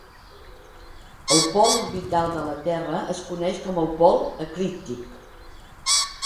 El pol orbital de la terra es coneix com el pol eclíptic.